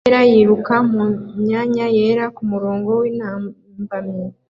Imbwa yera yiruka mumyanya yera kumurongo wintambamyi